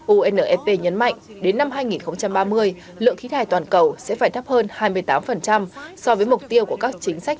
unfp nhấn mạnh đến năm hai nghìn ba mươi lượng khí thải toàn cầu sẽ phải thấp hơn hai mươi tám so với mục tiêu của các chính sách